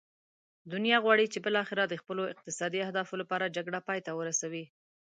دنیا غواړي چې بالاخره د خپلو اقتصادي اهدافو لپاره جګړه پای ته ورسوي.